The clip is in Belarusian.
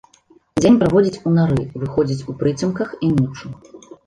Дзень праводзіць у нары, выходзіць у прыцемках і ноччу.